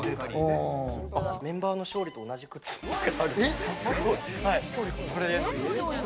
メンバーの勝利と同じ靴がある。